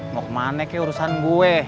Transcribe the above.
mau kemana kayak urusan gue